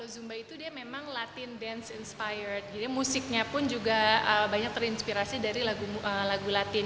zumba memang berguna dengan latin dan musiknya juga terinspirasi dari lagu latin